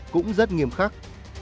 cũng rất nghiêm khắc